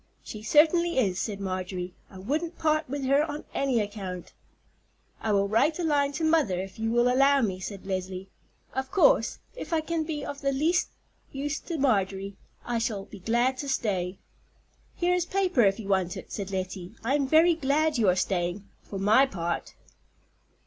"She certainly is," said Marjorie. "I wouldn't part with her on any account." "I will write a line to mother if you will allow me," said Leslie. "Of course, if I can be of the least use to Marjorie, I shall be glad to stay." "Here is paper, if you want it," said Lettie. "I am very glad you are staying, for my part."